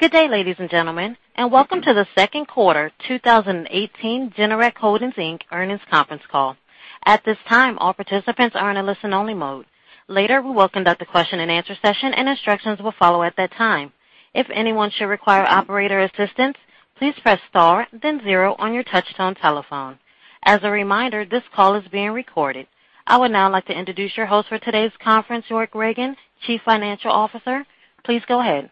Good day, ladies and gentlemen, and welcome to the Q2 2018 Generac Holdings Inc Earnings Conference Call. At this time, all participants are in a listen-only mode. Later, we will conduct a question and answer session and instructions will follow at that time. If anyone should require operator assistance, please press star then zero on your touch tone telephone. As a reminder, this call is being recorded. I would now like to introduce your host for today's conference, York Ragen, Chief Financial Officer. Please go ahead.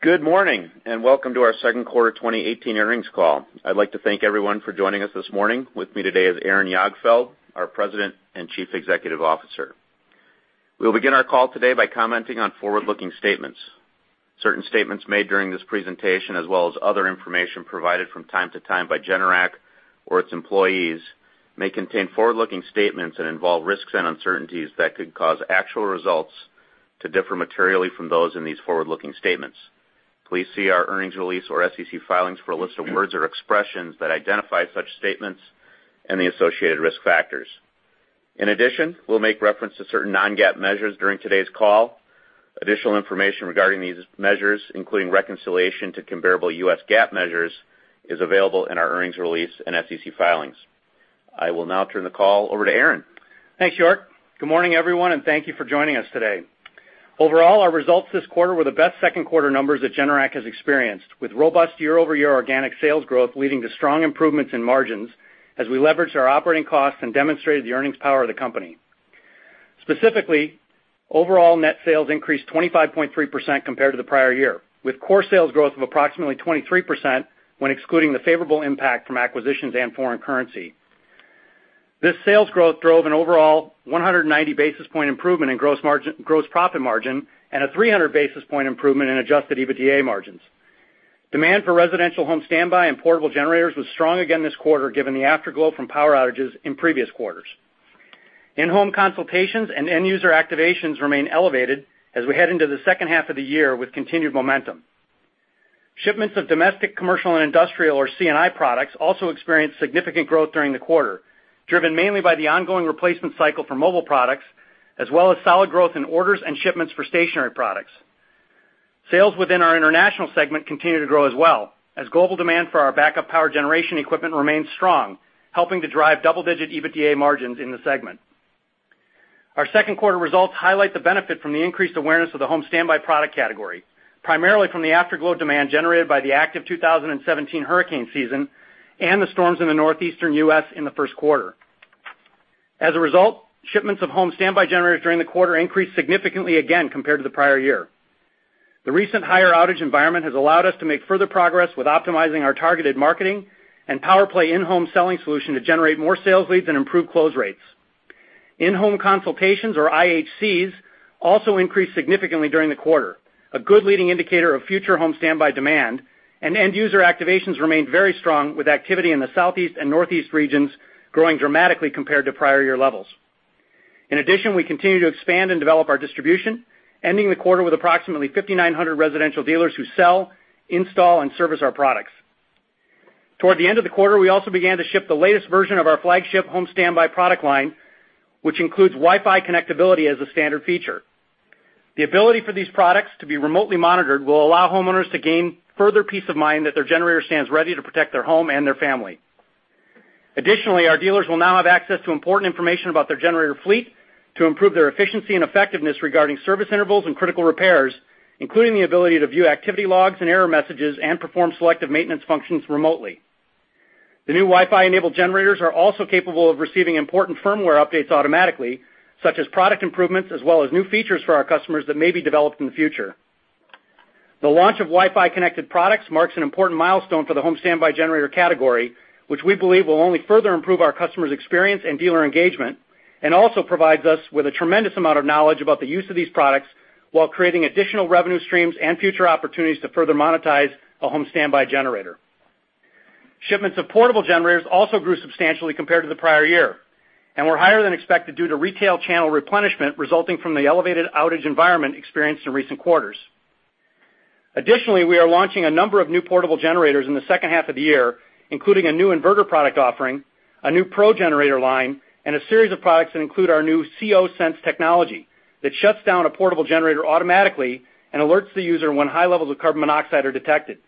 Good morning, and welcome to our Q2 2018 Earnings Call. I'd like to thank everyone for joining us this morning. With me today is Aaron Jagdfeld, our President and Chief Executive Officer. We will begin our call today by commenting on forward-looking statements. Certain statements made during this presentation, as well as other information provided from time to time by Generac or its employees, may contain forward-looking statements and involve risks and uncertainties that could cause actual results to differ materially from those in these forward-looking statements. Please see our earnings release or SEC filings for a list of words or expressions that identify such statements and the associated risk factors. In addition, we'll make reference to certain non-GAAP measures during today's call. Additional information regarding these measures, including reconciliation to comparable U.S. GAAP measures, is available in our earnings release and SEC filings. I will now turn the call over to Aaron. Thanks, York. Good morning, everyone, and thank you for joining us today. Overall, our results this quarter were the best Q2 numbers that Generac has experienced, with robust year-over-year organic sales growth leading to strong improvements in margins as we leveraged our operating costs and demonstrated the earnings power of the company. Specifically, overall net sales increased 25.3% compared to the prior year, with core sales growth of approximately 23% when excluding the favorable impact from acquisitions and foreign currency. This sales growth drove an overall 190 basis point improvement in gross profit margin and a 300 basis point improvement in Adjusted EBITDA margins. Demand for residential home standby and portable generators was strong again this quarter, given the afterglow from power outages in previous quarters. In-home consultations and end user activations remain elevated as we head into the H2 of the year with continued momentum. Shipments of domestic, commercial and industrial, or C&I products also experienced significant growth during the quarter, driven mainly by the ongoing replacement cycle for mobile products, as well as solid growth in orders and shipments for stationary products. Sales within our international segment continue to grow as well, as global demand for our backup power generation equipment remains strong, helping to drive double-digit EBITDA margins in the segment. Our Q2 results highlight the benefit from the increased awareness of the home standby product category, primarily from the afterglow demand generated by the active 2017 hurricane season and the storms in the Northeastern U.S. in Q1. As a result, shipments of home standby generators during the quarter increased significantly again compared to the prior year. The recent higher outage environment has allowed us to make further progress with optimizing our targeted marketing and PowerPlay in-home selling solution to generate more sales leads and improve close rates. In-home consultations, or IHCs, also increased significantly during the quarter, a good leading indicator of future home standby demand, and end user activations remained very strong, with activity in the Southeast and Northeast regions growing dramatically compared to prior year levels. In addition, we continue to expand and develop our distribution, ending the quarter with approximately 5,900 residential dealers who sell, install, and service our products. Towards the end of the quarter, we also began to ship the latest version of our flagship home standby product line, which includes Wi-Fi connectability as a standard feature. The ability for these products to be remotely monitored will allow homeowners to gain further peace of mind that their generator stands ready to protect their home and their family. Additionally, our dealers will now have access to important information about their generator fleet to improve their efficiency and effectiveness regarding service intervals and critical repairs, including the ability to view activity logs and error messages and perform selective maintenance functions remotely. The new Wi-Fi enabled generators are also capable of receiving important firmware updates automatically, such as product improvements, as well as new features for our customers that may be developed in the future. The launch of Wi-Fi connected products marks an important milestone for the home standby generator category, which we believe will only further improve our customers' experience and dealer engagement. Also provides us with a tremendous amount of knowledge about the use of these products while creating additional revenue streams and future opportunities to further monetize a home standby generator. Shipments of portable generators also grew substantially compared to the prior year and were higher than expected due to retail channel replenishment resulting from the elevated outage environment experienced in recent quarters. Additionally, we are launching a number of new portable generators in the H2 of the year, including a new inverter product offering, a new pro generator line, and a series of products that include our new COsense technology that shuts down a portable generator automatically and alerts the user when high levels of carbon monoxide are detected.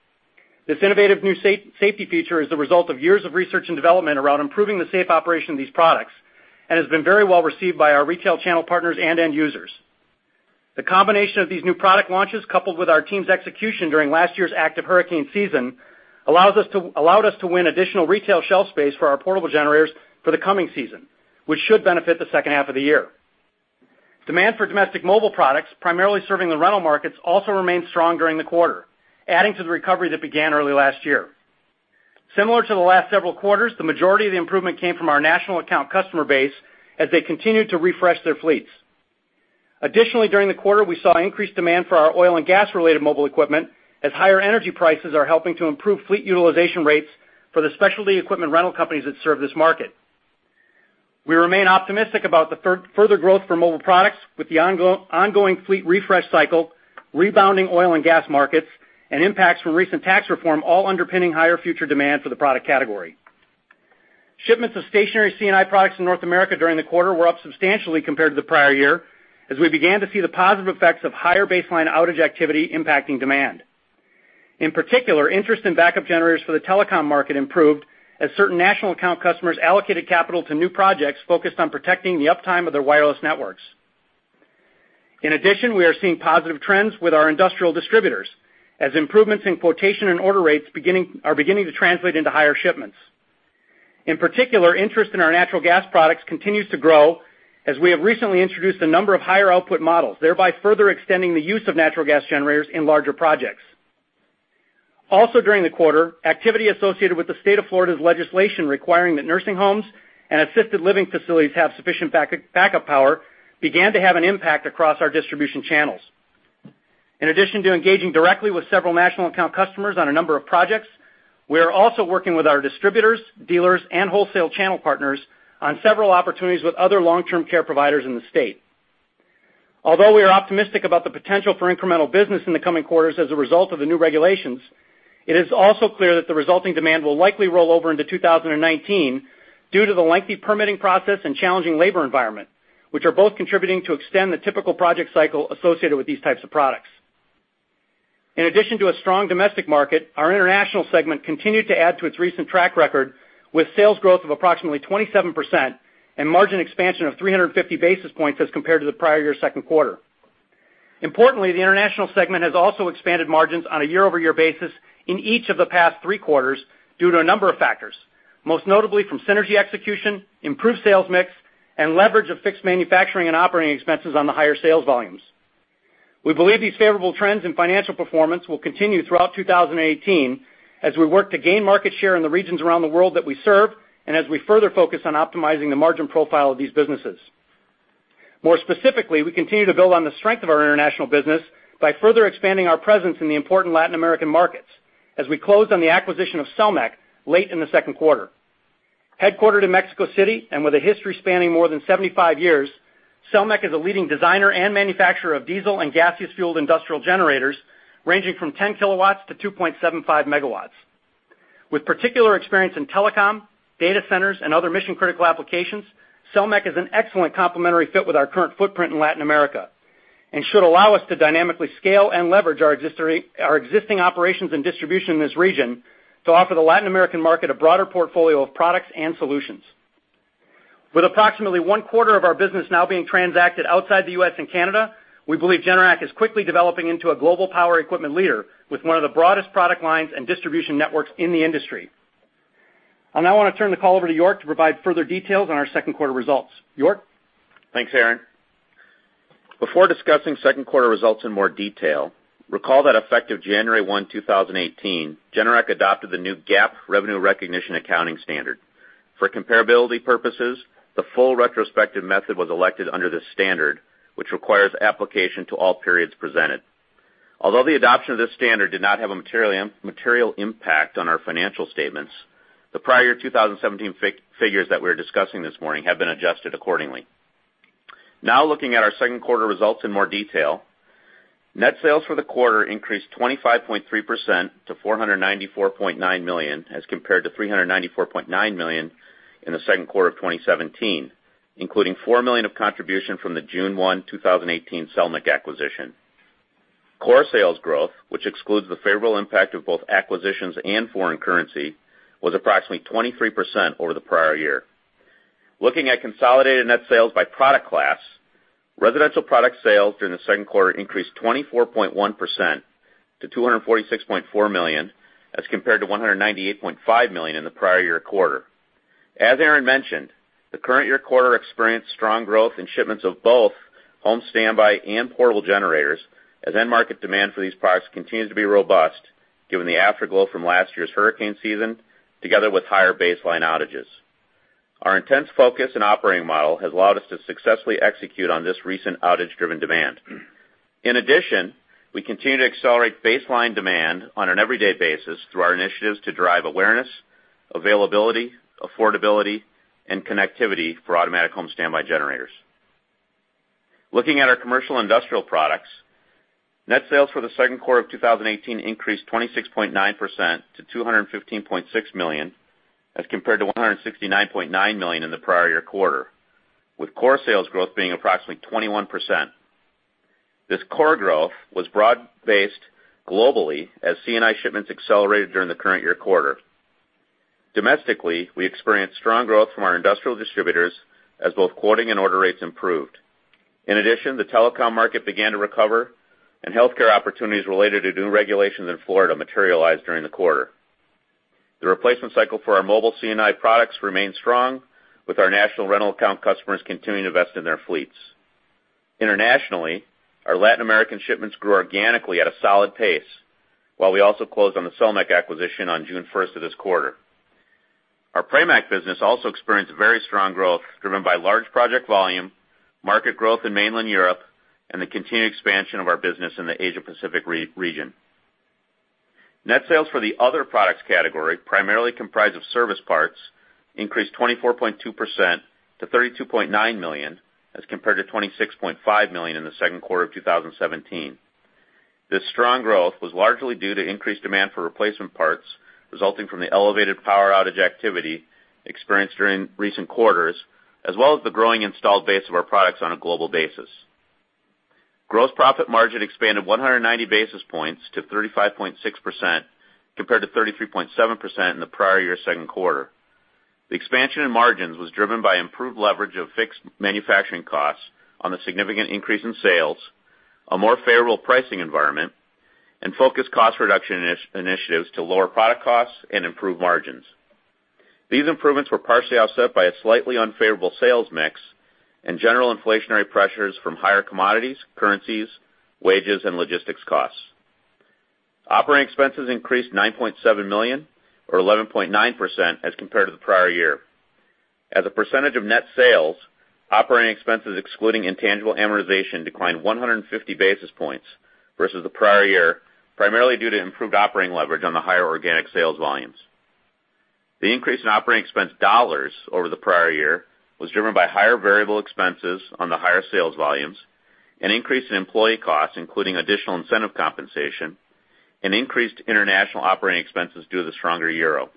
This innovative new safety feature is the result of years of research and development around improving the safe operation of these products and has been very well received by our retail channel partners and end users. The combination of these new product launches, coupled with our team's execution during last year's active hurricane season, allowed us to win additional retail shelf space for our portable generators for the coming season, which should benefit the H2 of the year. Demand for domestic mobile products, primarily serving the rental markets, also remained strong during the quarter, adding to the recovery that began early last year. Similar to the last several quarters, the majority of the improvement came from our national account customer base as they continued to refresh their fleets. Additionally, during the quarter, we saw increased demand for our oil and gas-related mobile equipment as higher energy prices are helping to improve fleet utilization rates for the specialty equipment rental companies that serve this market. We remain optimistic about the further growth for mobile products with the ongoing fleet refresh cycle, rebounding oil and gas markets, and impacts from recent tax reform all underpinning higher future demand for the product category. Shipments of stationary C&I products in North America during the quarter were up substantially compared to the prior year, as we began to see the positive effects of higher baseline outage activity impacting demand. In particular, interest in backup generators for the telecom market improved as certain national account customers allocated capital to new projects focused on protecting the uptime of their wireless networks. In addition, we are seeing positive trends with our industrial distributors, as improvements in quotation and order rates are beginning to translate into higher shipments. In particular, interest in our natural gas products continues to grow as we have recently introduced a number of higher output models, thereby further extending the use of natural gas generators in larger projects. Also during the quarter, activity associated with the state of Florida's legislation requiring that nursing homes and assisted living facilities have sufficient backup power began to have an impact across our distribution channels. In addition to engaging directly with several national account customers on a number of projects, we are also working with our distributors, dealers, and wholesale channel partners on several opportunities with other long-term care providers in the state. Although we are optimistic about the potential for incremental business in the coming quarters as a result of the new regulations, it is also clear that the resulting demand will likely roll over into 2019 due to the lengthy permitting process and challenging labor environment, which are both contributing to extend the typical project cycle associated with these types of products. In addition to a strong domestic market, our international segment continued to add to its recent track record, with sales growth of approximately 27% and margin expansion of 350 basis points as compared to the prior year Q2. Importantly, the international segment has also expanded margins on a year-over-year basis in each of the past three quarters due to a number of factors, most notably from synergy execution, improved sales mix, and leverage of fixed manufacturing and operating expenses on the higher sales volumes. We believe these favorable trends in financial performance will continue throughout 2018 as we work to gain market share in the regions around the world that we serve, and as we further focus on optimizing the margin profile of these businesses. More specifically, we continue to build on the strength of our international business by further expanding our presence in the important Latin American markets as we close on the acquisition of Selmec late in the Q2. Headquartered in Mexico City and with a history spanning more than 75 years, Selmec is a leading designer and manufacturer of diesel and gaseous-fueled industrial generators ranging from 10 KW to 2.75 MW. With particular experience in telecom, data centers, and other mission-critical applications, Selmec is an excellent complementary fit with our current footprint in Latin America and should allow us to dynamically scale and leverage our existing operations and distribution in this region to offer the Latin American market a broader portfolio of products and solutions. With approximately one-quarter of our business now being transacted outside the U.S. and Canada, we believe Generac is quickly developing into a global power equipment leader with one of the broadest product lines and distribution networks in the industry. I now want to turn the call over to York to provide further details on our Q2 results. York? Thanks, Aaron. Before discussing Q2 results in more detail, recall that effective January 1, 2018, Generac adopted the new GAAP revenue recognition accounting standard. For comparability purposes, the full retrospective method was elected under this standard, which requires application to all periods presented. Although the adoption of this standard did not have a material impact on our financial statements, the prior 2017 figures that we're discussing this morning have been adjusted accordingly. Looking at our Q2 results in more detail, net sales for the quarter increased 25.3% to $494.9 million as compared to $394.9 million in the Q2 of 2017, including $4 million of contribution from the June 1, 2018, Selmec acquisition. Core sales growth, which excludes the favorable impact of both acquisitions and foreign currency, was approximately 23% over the prior year. Looking at consolidated net sales by product class, residential product sales during the Q2 increased 24.1% to $246.4 million as compared to $198.5 million in the prior year quarter. As Aaron mentioned, the current year quarter experienced strong growth in shipments of both home standby and portable generators as end market demand for these products continues to be robust, given the afterglow from last year's hurricane season together with higher baseline outages. Our intense focus and operating model has allowed us to successfully execute on this recent outage-driven demand. In addition, we continue to accelerate baseline demand on an everyday basis through our initiatives to drive awareness, availability, affordability, and connectivity for automatic home standby generators. Looking at our commercial industrial products, net sales for Q2 of 2018 increased 26.9% to $215.6 million as compared to $169.9 million in the prior year quarter, with core sales growth being approximately 21%. This core growth was broad-based globally as C&I shipments accelerated during the current year quarter. Domestically, we experienced strong growth from our industrial distributors as both quoting and order rates improved. In addition, the telecom market began to recover, and healthcare opportunities related to new regulations in Florida materialized during the quarter. The replacement cycle for our mobile C&I products remained strong, with our national rental account customers continuing to invest in their fleets. Internationally, our Latin American shipments grew organically at a solid pace, while we also closed on the Selmec acquisition on June 1st of this quarter. Our Pramac business also experienced very strong growth driven by large project volume, market growth in mainland Europe, and the continued expansion of our business in the Asia-Pacific region. Net sales for the other products category, primarily comprised of service parts, increased 24.2% to $32.9 million as compared to $26.5 million in the Q2 of 2017. This strong growth was largely due to increased demand for replacement parts resulting from the elevated power outage activity experienced during recent quarters, as well as the growing installed base of our products on a global basis. Gross profit margin expanded 190 basis points to 35.6%, compared to 33.7% in the prior year Q2. The expansion in margins was driven by improved leverage of fixed manufacturing costs on the significant increase in sales, a more favorable pricing environment, and focused cost reduction initiatives to lower product costs and improve margins. These improvements were partially offset by a slightly unfavorable sales mix and general inflationary pressures from higher commodities, currencies, wages, and logistics costs. Operating expenses increased $9.7 million or 11.9% as compared to the prior year. As a percentage of net sales, operating expenses excluding intangible amortization declined 150 basis points versus the prior year, primarily due to improved operating leverage on the higher organic sales volumes. The increase in operating expense dollars over the prior year was driven by higher variable expenses on the higher sales volumes, an increase in employee costs, including additional incentive compensation, and increased international operating expenses due to the stronger euro.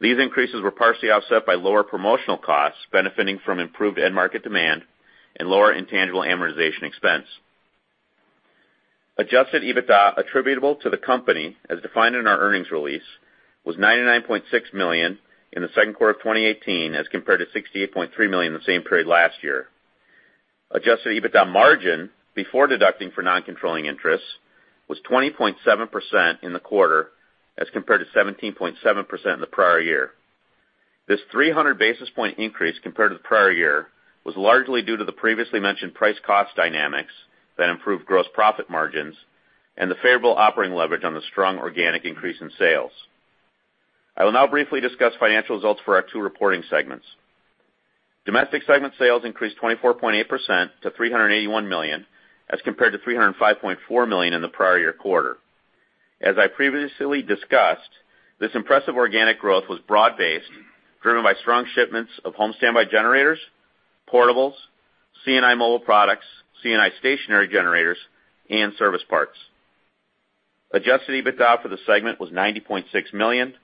These increases were partially offset by lower promotional costs benefiting from improved end-market demand and lower intangible amortization expense. Adjusted EBITDA attributable to the company as defined in our earnings release, was $99.6 million in the Q2 of 2018 as compared to $68.3 million in the same period last year. Adjusted EBITDA margin before deducting for non-controlling interests was 20.7% in the quarter as compared to 17.7% in the prior year. This 300 basis point increase compared to the prior year, was largely due to the previously mentioned price cost dynamics that improved gross profit margins and the favorable operating leverage on the strong organic increase in sales. I will now briefly discuss financial results for our two reporting segments. Domestic segment sales increased 24.8% to $381 million as compared to $305.4 million in the prior year quarter. As I previously discussed, this impressive organic growth was broad-based, driven by strong shipments of home standby generators, portables, C&I mobile products, C&I stationary generators, and service parts. Adjusted EBITDA for the segment was $90.6 million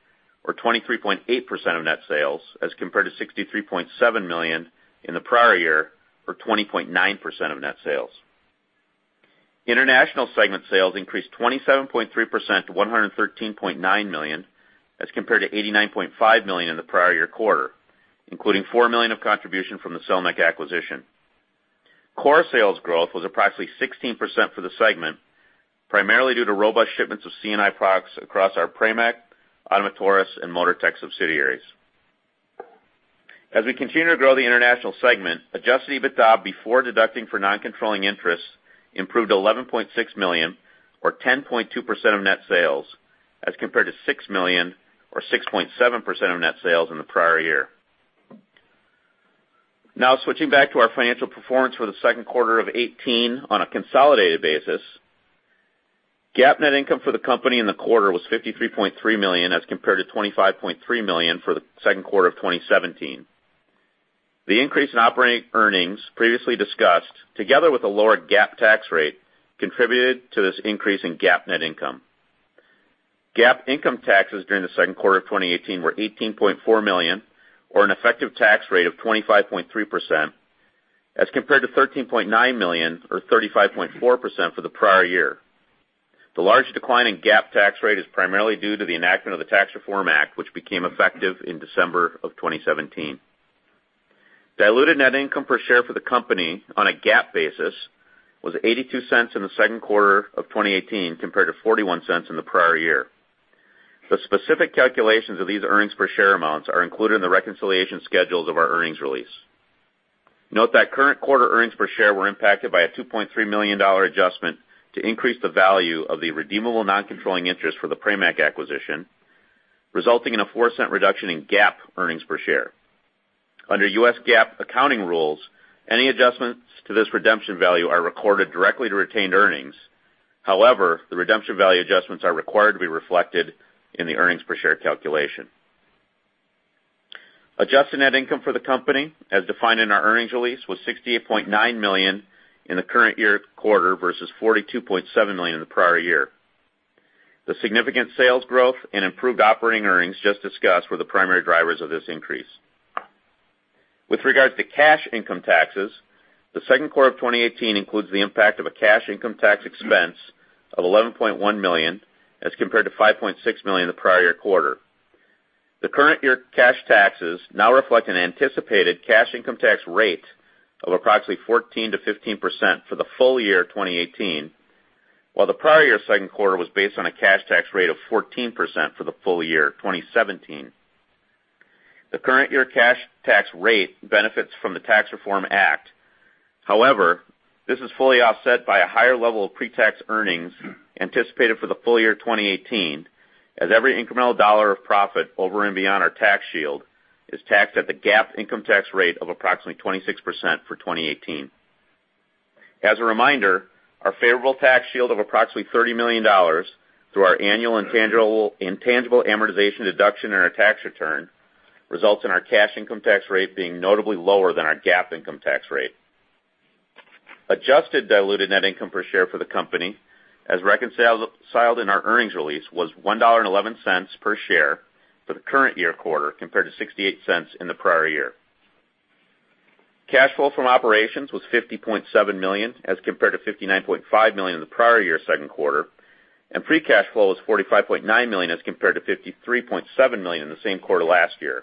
or 23.8% of net sales as compared to $63.7 million in the prior year, or 20.9% of net sales. International segment sales increased 27.3% to $113.9 million as compared to $89.5 million in the prior year quarter, including $4 million of contribution from the Selmec acquisition. Core sales growth was approximately 16% for the segment, primarily due to robust shipments of C&I products across our Pramac, Ottomotores, and Motortech subsidiaries. As we continue to grow the international segment, Adjusted EBITDA before deducting for non-controlling interests improved $11.6 million or 10.2% of net sales as compared to $6 million or 6.7% of net sales in the prior year. Switching back to our financial performance for the Q2 of 2018 on a consolidated basis. GAAP net income for the company in the quarter was $53.3 million as compared to $25.3 million for the Q2 of 2017. The increase in operating earnings previously discussed, together with a lower GAAP tax rate, contributed to this increase in GAAP net income. GAAP income taxes during the Q2 of 2018 were $18.4 million or an effective tax rate of 25.3% as compared to $13.9 million or 35.4% for the prior year. The large decline in GAAP tax rate is primarily due to the enactment of the Tax Cuts and Jobs Act of 2017, which became effective in December of 2017. Diluted net income per share for the company on a GAAP basis was $0.82 in the Q2 of 2018 compared to $0.41 in the prior year. The specific calculations of these earnings per share amounts are included in the reconciliation schedules of our earnings release. Note that current quarter earnings per share were impacted by a $2.3 million adjustment to increase the value of the redeemable non-controlling interest for the Pramac acquisition, resulting in a $0.04 reduction in GAAP earnings per share. Under U.S. GAAP accounting rules, any adjustments to this redemption value are recorded directly to retained earnings. However, the redemption value adjustments are required to be reflected in the earnings per share calculation. Adjusted net income for the company, as defined in our earnings release, was $68.9 million in the current year quarter versus $42.7 million in the prior year. The significant sales growth and improved operating earnings just discussed were the primary drivers of this increase. With regards to cash income taxes, the Q2 of 2018 includes the impact of a cash income tax expense of $11.1 million as compared to $5.6 million in the prior year quarter. The current year cash taxes now reflect an anticipated cash income tax rate of approximately 14%-15% for the full year 2018, while the prior year Q2 was based on a cash tax rate of 14% for the full year 2017. The current year cash tax rate benefits from the Tax Reform Act. However, this is fully offset by a higher level of pre-tax earnings anticipated for the full year 2018, as every incremental dollar of profit over and beyond our tax shield is taxed at the GAAP income tax rate of approximately 26% for 2018. As a reminder, our favorable tax shield of approximately $30 million through our annual intangible amortization deduction in our tax return results in our cash income tax rate being notably lower than our GAAP income tax rate. Adjusted diluted net income per share for the company, as reconciled in our earnings release, was $1.11 per share for the current year quarter, compared to $0.68 in the prior year. Cash flow from operations was $50.7 million, as compared to $59.5 million in the prior year Q2, and free cash flow was $45.9 million, as compared to $53.7 million in the same quarter last year.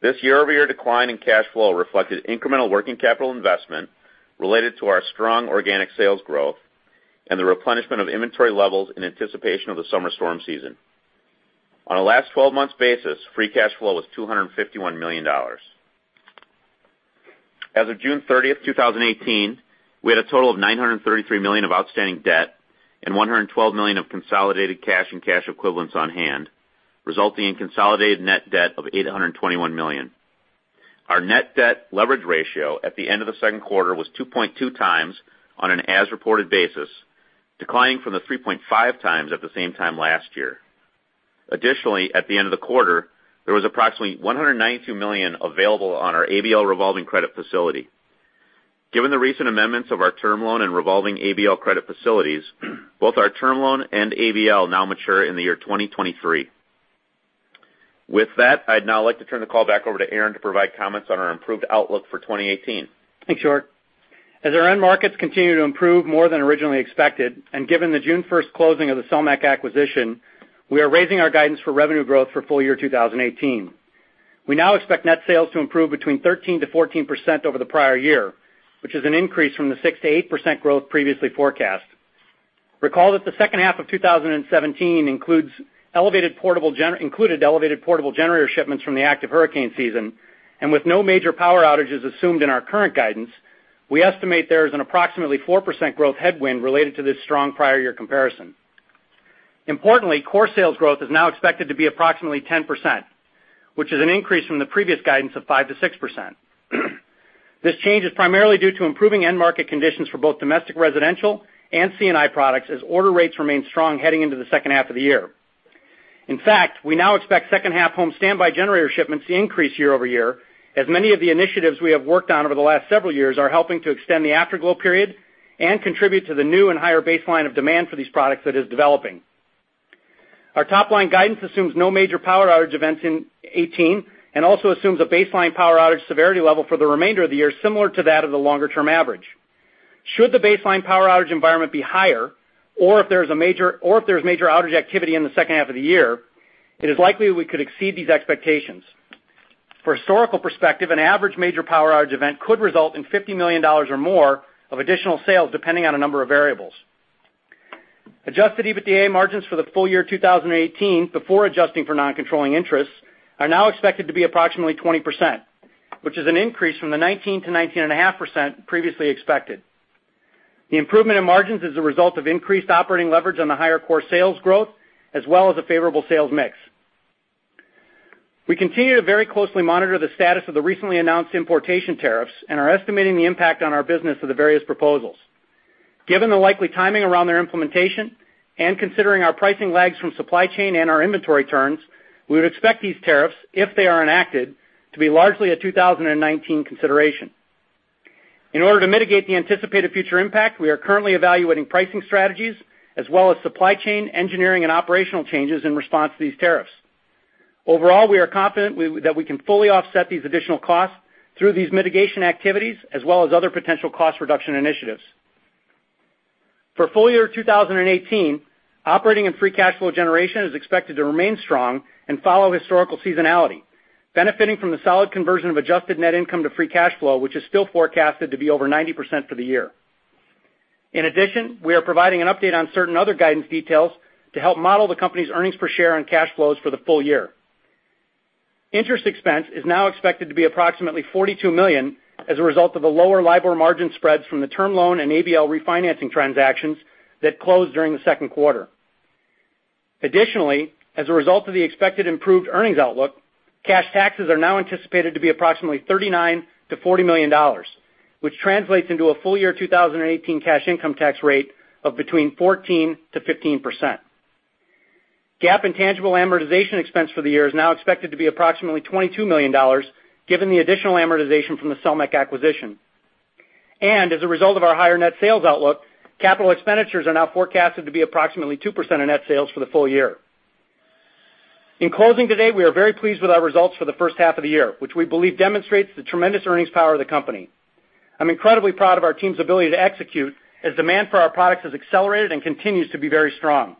This year-over-year decline in cash flow reflected incremental working capital investment related to our strong organic sales growth and the replenishment of inventory levels in anticipation of the summer storm season. On a last 12 months basis, free cash flow was $251 million. As of June 30, 2018, we had a total of $933 million of outstanding debt and $112 million of consolidated cash and cash equivalents on hand, resulting in consolidated net debt of $821 million. Our net debt leverage ratio at the end of Q2 was 2.2x on an as-reported basis, declining from the 3.5x at the same time last year. Additionally, at the end of the quarter, there was approximately $192 million available on our ABL revolving credit facility. Given the recent amendments of our term loan and revolving ABL credit facilities, both our term loan and ABL now mature in the year 2023. With that, I'd now like to turn the call back over to Aaron to provide comments on our improved outlook for 2018. Thanks, York. As our end markets continue to improve more than originally expected, and given the June 1 closing of the Selmec acquisition, we are raising our guidance for revenue growth for full year 2018. We now expect net sales to improve between 13%-14% over the prior year, which is an increase from the 6%-8% growth previously forecast. Recall that the H2 of 2017 included elevated portable generator shipments from the active hurricane season, and with no major power outages assumed in our current guidance, we estimate there is an approximately 4% growth headwind related to this strong prior year comparison. Importantly, core sales growth is now expected to be approximately 10%, which is an increase from the previous guidance of 5%-6%. This change is primarily due to improving end market conditions for both domestic residential and C&I products, as order rates remain strong heading into the H2 of the year. In fact, we now expect H2 home standby generator shipments to increase year-over-year, as many of the initiatives we have worked on over the last several years are helping to extend the afterglow period and contribute to the new and higher baseline of demand for these products that is developing. Our top-line guidance assumes no major power outage events in 2018 and also assumes a baseline power outage severity level for the remainder of the year similar to that of the longer-term average. Should the baseline power outage environment be higher, or if there's major outage activity in the H2 of the year, it is likely we could exceed these expectations. For historical perspective, an average major power outage event could result in $50 million or more of additional sales, depending on a number of variables. Adjusted EBITDA margins for the full year 2018, before adjusting for non-controlling interests, are now expected to be approximately 20%, which is an increase from the 19%-19.5% previously expected. The improvement in margins is a result of increased operating leverage on the higher core sales growth, as well as a favorable sales mix. We continue to very closely monitor the status of the recently announced importation tariffs and are estimating the impact on our business of the various proposals. Given the likely timing around their implementation and considering our pricing lags from supply chain and our inventory turns, we would expect these tariffs, if they are enacted, to be largely a 2019 consideration. In order to mitigate the anticipated future impact, we are currently evaluating pricing strategies as well as supply chain, engineering, and operational changes in response to these tariffs. Overall, we are confident that we can fully offset these additional costs through these mitigation activities as well as other potential cost reduction initiatives. For full year 2018, operating and free cash flow generation is expected to remain strong and follow historical seasonality, benefiting from the solid conversion of adjusted net income to free cash flow, which is still forecasted to be over 90% for the year. We are providing an update on certain other guidance details to help model the company's earnings per share and cash flows for the full year. Interest expense is now expected to be approximately $42 million as a result of the lower LIBOR margin spreads from the term loan and ABL refinancing transactions that closed during the Q2. As a result of the expected improved earnings outlook, cash taxes are now anticipated to be approximately $39 million-$40 million, which translates into a full year 2018 cash income tax rate of between 14%-15%. GAAP and tangible amortization expense for the year is now expected to be approximately $22 million, given the additional amortization from the Selmec acquisition. As a result of our higher net sales outlook, capital expenditures are now forecasted to be approximately 2% of net sales for the full year. In closing today, we are very pleased with our results for the H1 of the year, which we believe demonstrates the tremendous earnings power of the company. I'm incredibly proud of our team's ability to execute as demand for our products has accelerated and continues to be very strong.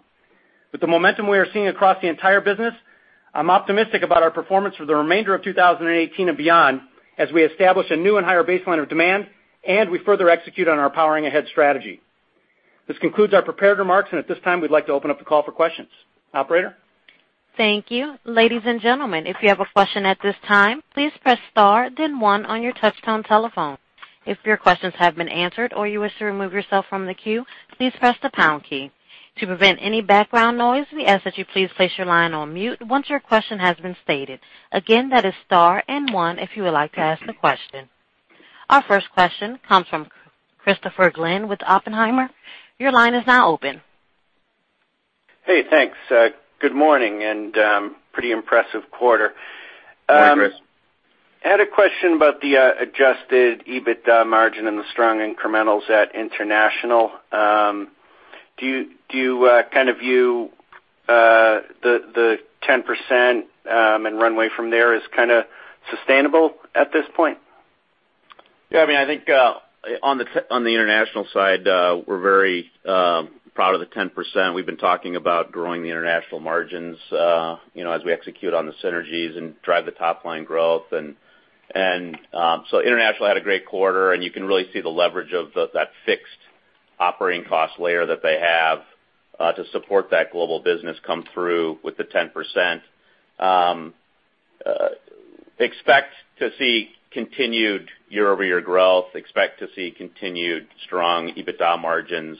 With the momentum we are seeing across the entire business, I'm optimistic about our performance for the remainder of 2018 and beyond, as we establish a new and higher baseline of demand and we further execute on our Powering Ahead strategy. At this time, we'd like to open up the call for questions. Operator? Thank you. Ladies and gentlemen, if you have a question at this time, please press star then one on your touchtone telephone. If your questions have been answered or you wish to remove yourself from the queue, please press the pound key. To prevent any background noise, we ask that you please place your line on mute once your question has been stated. Again, that is star and one if you would like to ask a question. Our first question comes from Christopher Glynn with Oppenheimer. Your line is now open. Hey, thanks. Good morning, pretty impressive quarter. Good morning, Chris. I had a question about the Adjusted EBITDA margin and the strong incrementals at international. Do you kind of view the 10% and runway from there as kind of sustainable at this point? Yeah, I think on the international side, we're very proud of the 10%. We've been talking about growing the international margins as we execute on the synergies and drive the top-line growth. International had a great quarter, and you can really see the leverage of that fixed operating cost layer that they have to support that global business come through with the 10%. Expect to see continued year-over-year growth, expect to see continued strong EBITDA margins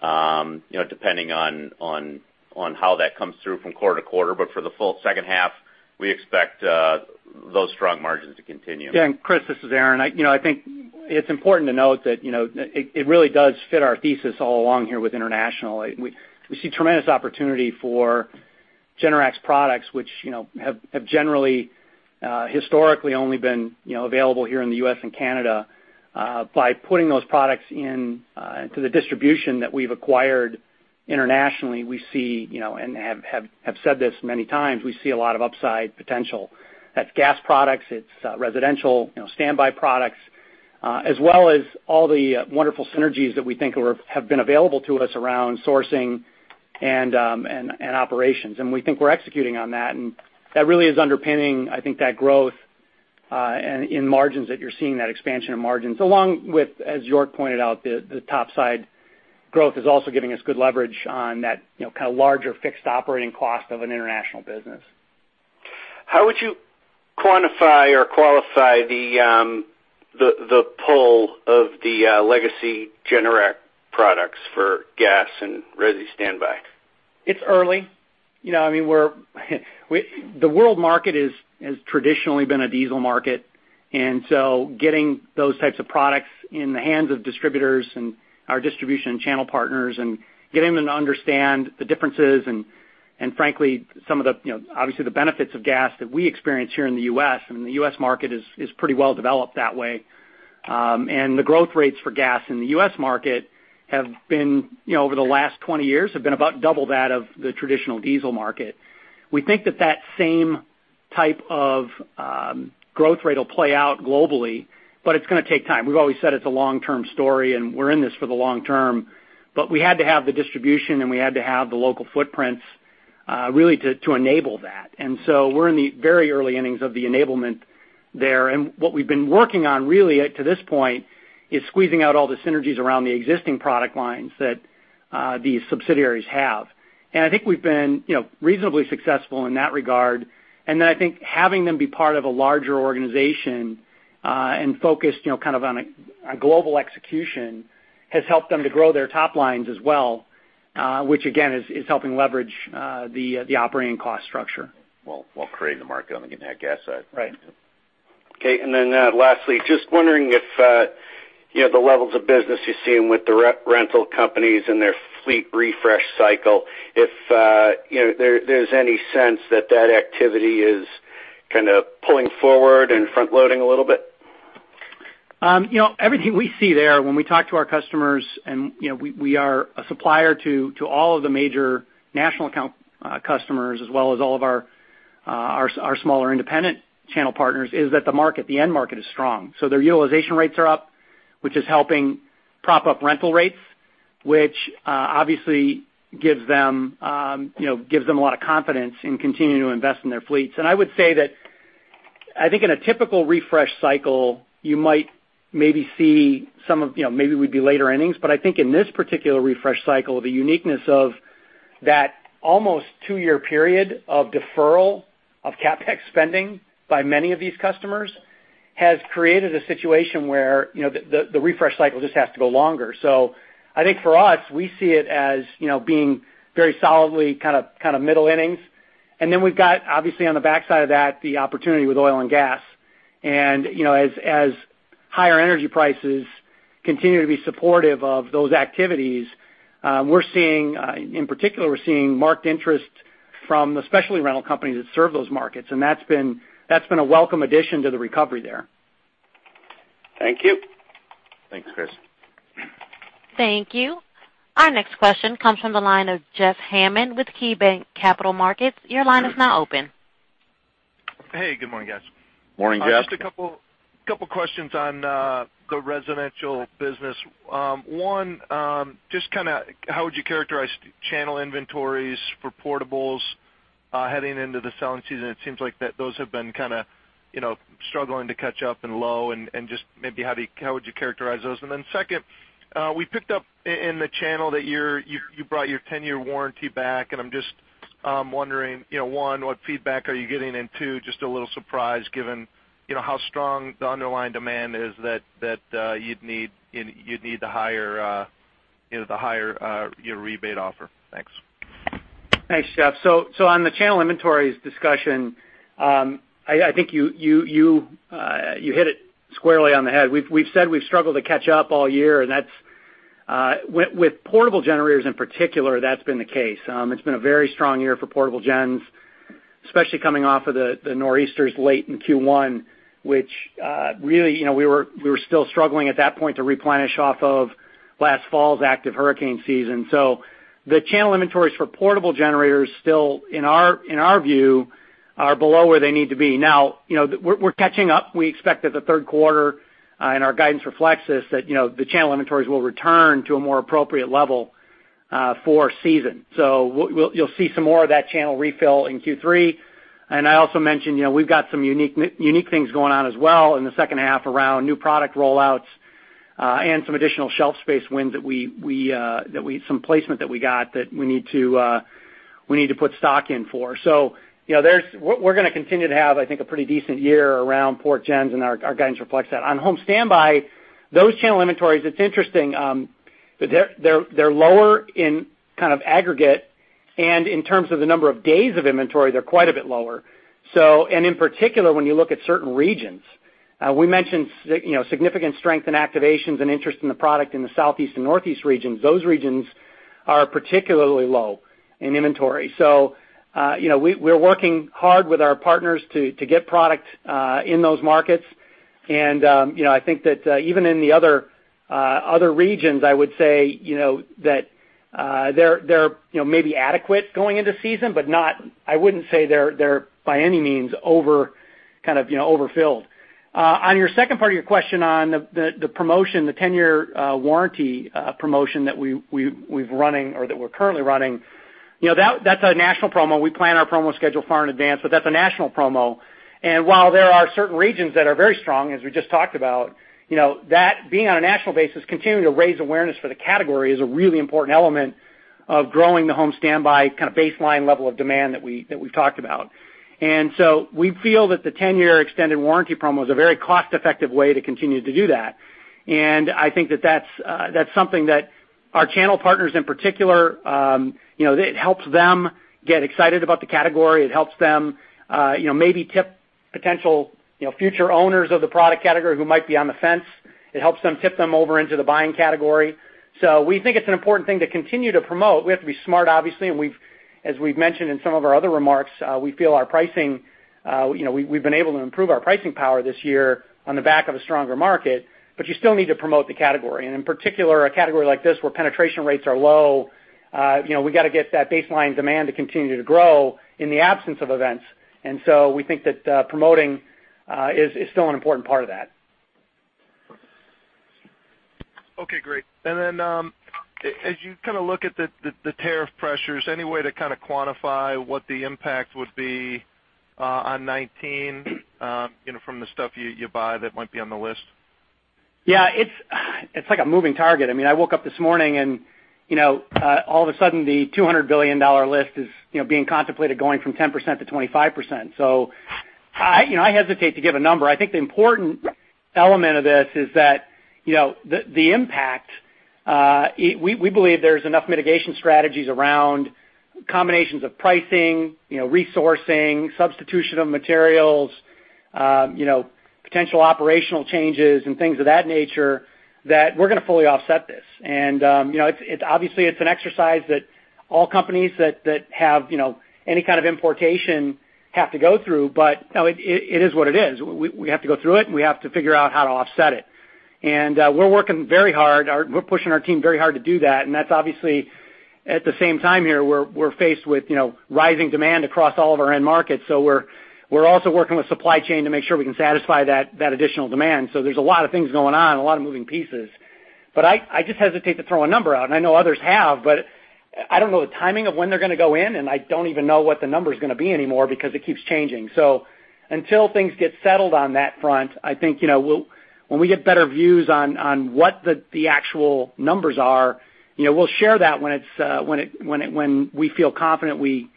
depending on how that comes through from quarter to quarter. For the full H2, we expect those strong margins to continue. Yeah, Christopher, this is Aaron. I think it's important to note that it really does fit our thesis all along here with international. We see tremendous opportunity for Generac's products, which have generally historically only been available here in the U.S. and Canada. By putting those products into the distribution that we've acquired internationally, and have said this many times, we see a lot of upside potential. That's gas products, it's residential standby products, as well as all the wonderful synergies that we think have been available to us around sourcing and operations. We think we're executing on that, and that really is underpinning, I think, that growth in margins that you're seeing, that expansion in margins, along with, as York pointed out, the top-side growth is also giving us good leverage on that kind of larger fixed operating cost of an international business. How would you quantify or qualify the pull of the legacy Generac products for gas and resi standby? It's early. The world market has traditionally been a diesel market. Getting those types of products in the hands of distributors and our distribution channel partners and getting them to understand the differences and frankly, some of the, obviously, the benefits of gas that we experience here in the U.S. I mean, the U.S. market is pretty well developed that way. The growth rates for gas in the U.S. market have been, over the last 20 years, have been about double that of the traditional diesel market. We think that that same type of growth rate will play out globally, but it's going to take time. We've always said it's a long-term story, and we're in this for the long term. We had to have the distribution and we had to have the local footprints really to enable that. We're in the very early innings of the enablement there. What we've been working on really to this point is squeezing out all the synergies around the existing product lines that these subsidiaries have. I think we've been reasonably successful in that regard. I think having them be part of a larger organization and focused kind of on a global execution has helped them to grow their top lines as well, which again, is helping leverage the operating cost structure. While creating the market on the nat gas side. Right. Okay, lastly, just wondering if the levels of business you're seeing with the rental companies and their fleet refresh cycle, if there's any sense that activity is kind of pulling forward and front-loading a little bit? Everything we see there when we talk to our customers, we are a supplier to all of the major national account customers as well as all of our smaller independent channel partners, is that the end market is strong. Their utilization rates are up, which is helping prop up rental rates, which obviously gives them a lot of confidence in continuing to invest in their fleets. I would say that I think in a typical refresh cycle, maybe we'd be later innings, but I think in this particular refresh cycle, the uniqueness of that almost two-year period of deferral of CapEx spending by many of these customers has created a situation where the refresh cycle just has to go longer. I think for us, we see it as being very solidly kind of middle innings. We've got, obviously on the backside of that, the opportunity with oil and gas. As higher energy prices continue to be supportive of those activities, in particular, we're seeing marked interest from especially rental companies that serve those markets. That's been a welcome addition to the recovery there. Thank you. Thanks, Chris. Thank you. Our next question comes from the line of Jeffrey Hammond with KeyBanc Capital Markets. Your line is now open. Hey, good morning, guys. Morning, Jeffrey. Just a couple of questions on the residential business. One, just how would you characterize channel inventories for portables heading into the selling season? It seems like those have been kind of struggling to catch up and low and just maybe how would you characterize those? Then second, we picked up in the channel that you brought your 10-year warranty back, and I'm just wondering, one, what feedback are you getting? Two, just a little surprised given how strong the underlying demand is that you'd need the higher rebate offer. Thanks. Thanks, Jeffrey. On the channel inventories discussion, I think you hit it squarely on the head. We've said we've struggled to catch up all year, and with portable generators in particular, that's been the case. It's been a very strong year for portable gens, especially coming off of the nor'easters late in Q1, which really we were still struggling at that point to replenish off of last fall's active hurricane season. The channel inventories for portable generators still, in our view, are below where they need to be. Now, we're catching up. We expect that the Q3, and our guidance reflects this, that the channel inventories will return to a more appropriate level for season. You'll see some more of that channel refill in Q3. I also mentioned we've got some unique things going on as well in the H2 around new product rollouts and some additional shelf space wins, some placement that we got that we need to put stock in for. We're going to continue to have, I think, a pretty decent year around port gens and our guidance reflects that. On home standby, those channel inventories, it's interesting. They're lower in kind of aggregate, and in terms of the number of days of inventory, they're quite a bit lower. In particular, when you look at certain regions. We mentioned significant strength in activations and interest in the product in the Southeast and Northeast regions. Those regions are particularly low in inventory. We're working hard with our partners to get product in those markets. I think that even in the other regions, I would say that they're maybe adequate going into season, but I wouldn't say they're by any means overfilled. On your second part of your question on the promotion, the 10-year warranty promotion that we're currently running, that's a national promo. We plan our promo schedule far in advance, but that's a national promo. While there are certain regions that are very strong, as we just talked about, that being on a national basis, continuing to raise awareness for the category is a really important element of growing the home standby kind of baseline level of demand that we've talked about. We feel that the 10-year extended warranty promo is a very cost-effective way to continue to do that. I think that's something that our channel partners in particular, it helps them get excited about the category. It helps them maybe tip potential future owners of the product category who might be on the fence. It helps them tip them over into the buying category. We think it's an important thing to continue to promote. We have to be smart, obviously, and as we've mentioned in some of our other remarks, we feel we've been able to improve our pricing power this year on the back of a stronger market, but you still need to promote the category. In particular, a category like this where penetration rates are low, we got to get that baseline demand to continue to grow in the absence of events. We think that promoting is still an important part of that. Okay, great. As you kind of look at the tariff pressures, any way to kind of quantify what the impact would be on 2019 from the stuff you buy that might be on the list? Yeah, it's like a moving target. I woke up this morning and all of a sudden the $200 billion list is being contemplated going from 10% to 25%. I hesitate to give a number. I think the important element of this is that the impact, we believe there's enough mitigation strategies around combinations of pricing, resourcing, substitution of materials, potential operational changes and things of that nature, that we're going to fully offset this. Obviously it's an exercise that all companies that have any kind of importation have to go through, but it is what it is. We have to go through it and we have to figure out how to offset it. We're working very hard. We're pushing our team very hard to do that. That's obviously at the same time here, we're faced with rising demand across all of our end markets. We're also working with supply chain to make sure we can satisfy that additional demand. There's a lot of things going on, a lot of moving pieces. I just hesitate to throw a number out, and I know others have, I don't know the timing of when they're going to go in, I don't even know what the number's going to be anymore because it keeps changing. Until things get settled on that front, I think when we get better views on what the actual numbers are, we'll share that when we feel confident we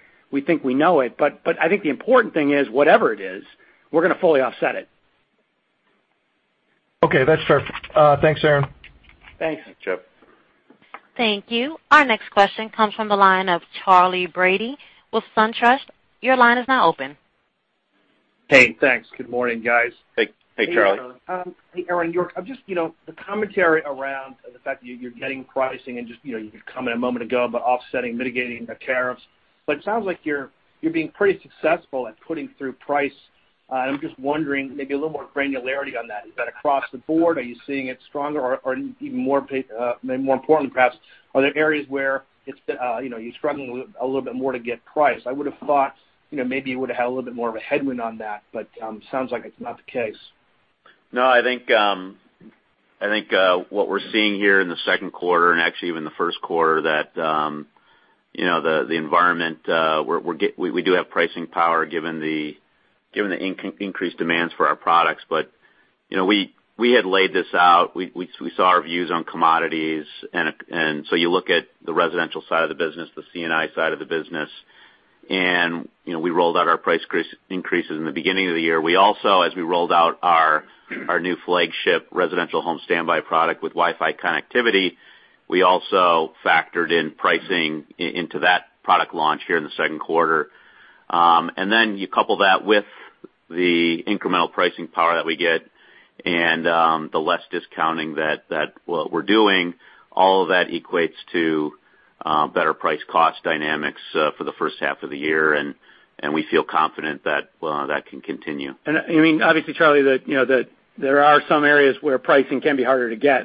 think we know it. I think the important thing is whatever it is, we're going to fully offset it. Okay, that's fair. Thanks, Aaron. Thanks. Thanks, Jeffrey. Thank you. Our next question comes from the line of Charley Brady with SunTrust. Your line is now open. Hey, thanks. Good morning, guys. Hey, Charley. Hey, Aaron. The commentary around the fact that you're getting pricing and just you've come in a moment ago about offsetting mitigating the tariffs. It sounds like you're being pretty successful at putting through price. I'm just wondering, maybe a little more granularity on that. Is that across the board? Are you seeing it stronger or even more importantly, perhaps, are there areas where you're struggling a little bit more to get price? I would have thought maybe you would have had a little bit more of a headwind on that, but sounds like it's not the case. No, I think what we're seeing here in Q2 and actually even Q1 that the environment, we do have pricing power given the increased demands for our products. We had laid this out. We saw our views on commodities. You look at the residential side of the business, the C&I side of the business. We rolled out our price increases in the beginning of the year. We also, as we rolled out our new flagship residential home standby product with Wi-Fi connectivity, we also factored in pricing into that product launch here in Q2. You couple that with the incremental pricing power that we get and the less discounting that what we're doing, all of that equates to better price cost dynamics for the H1 of the year. We feel confident that can continue. Obviously, Charley, there are some areas where pricing can be harder to get.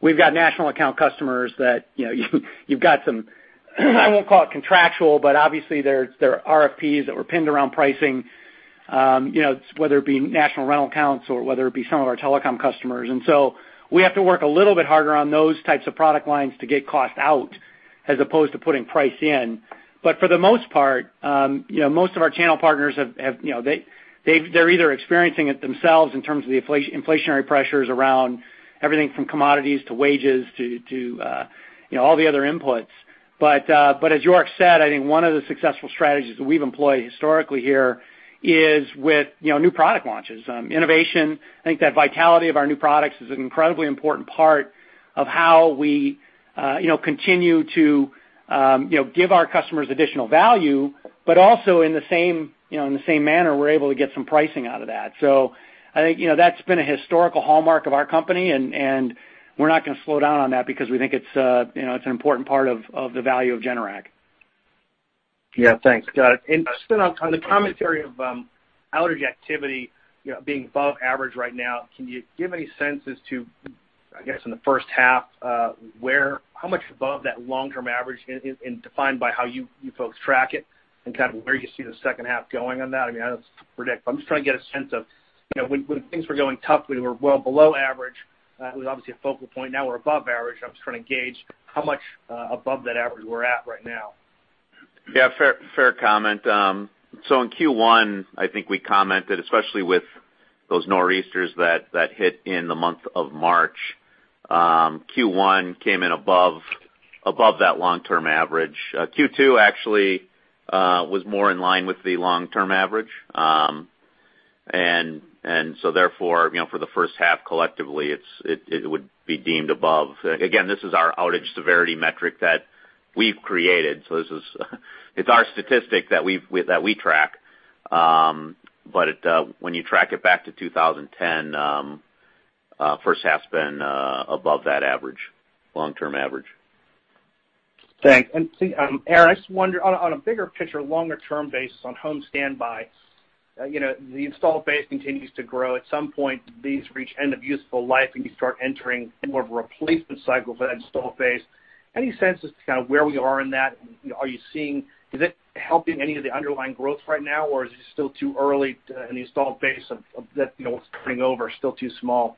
We've got national account customers that you've got some, I won't call it contractual, but obviously there are RFPs that were pinned around pricing, whether it be national rental accounts or whether it be some of our telecom customers. We have to work a little bit harder on those types of product lines to get cost out as opposed to putting price in. For the most part, most of our channel partners, they're either experiencing it themselves in terms of the inflationary pressures around everything from commodities to wages to all the other inputs. As York said, I think one of the successful strategies that we've employed historically here is with new product launches. Innovation. I think that vitality of our new products is an incredibly important part of how we continue to give our customers additional value. Also in the same manner, we're able to get some pricing out of that. I think that's been a historical hallmark of our company, and we're not going to slow down on that because we think it's an important part of the value of Generac. Thanks. Got it. On the commentary of outage activity being above average right now, can you give any sense as to, I guess, in the H1, how much above that long-term average and defined by how you folks track it and where you see the H2 going on that? I know it is to predict, but I am just trying to get a sense of when things were going tough, we were well below average. It was obviously a focal point. Now we are above average. I am just trying to gauge how much above that average we are at right now. Fair comment. In Q1, I think we commented, especially with those Nor'easters that hit in the month of March. Q1 came in above that long-term average. Q2 actually was more in line with the long-term average. Therefore, for the H1, collectively, it would be deemed above. Again, this is our outage severity metric that we have created. This is our statistic that we track. But when you track it back to 2010, H1's been above that long-term average. Thanks. Aaron, I just wonder on a bigger picture, longer term basis on home standby, the installed base continues to grow. At some point, these reach end of useful life, and you start entering more of a replacement cycle for that installed base. Any sense as to where we are in that? Are you seeing is it helping any of the underlying growth right now, or is it still too early in the installed base of that what's coming over is still too small?